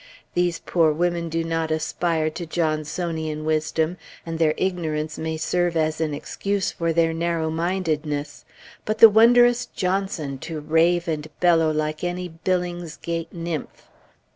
These poor women do not aspire to Johnsonian wisdom, and their ignorance may serve as an excuse for their narrow mindedness; but the wondrous Johnson to rave and bellow like any Billingsgate nymph!